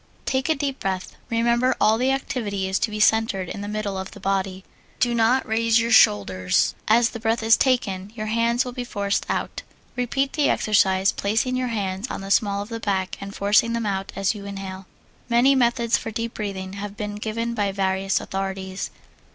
Take a deep breath. Remember, all the activity is to be centered in the middle of the body; do not raise the shoulders. As the breath is taken your hands will be forced out. Repeat the exercise, placing your hands on the small of the back and forcing them out as you inhale. Many methods for deep breathing have been given by various authorities.